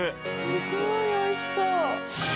すごい美味しそう！